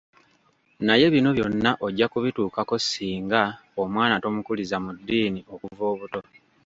Naye bino byonna ojja kubituukako singa omwana tomukuliza mu ddiini okuva obuto.